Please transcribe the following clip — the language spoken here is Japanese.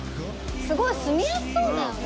すごい住みやすそうだよね。